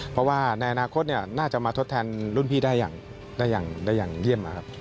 เพราะว่าในอนาคตเนี่ยน่าจะมาทดแทนรุ่นพี่ได้อย่างได้อย่างได้อย่างเยี่ยมมาครับ